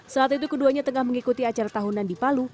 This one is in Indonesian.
saat itu keduanya tengah mengikuti acara tahunan di palu